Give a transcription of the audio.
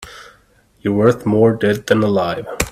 You're worth more dead than alive.